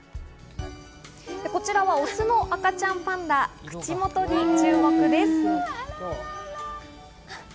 こちらはオスの赤ちゃんパンダ、口元に注目です。